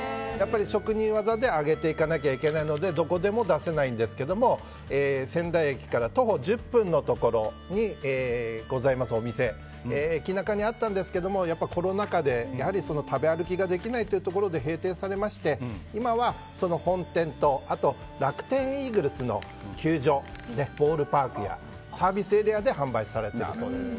職人技で揚げていかないといけないのでどこでも出せないんですが仙台駅から徒歩１０分のところにあるお店駅中にあったんですけどコロナ禍で食べ歩きができないということで閉店されまして、今は本店とあと、楽天イーグルスの球場ボールパークやサービスエリアで販売されているそうです。